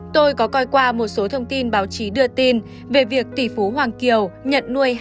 tôi có coi qua một số thông tin báo chí đưa tin về việc tỷ phú hoàng kiều nhận nuôi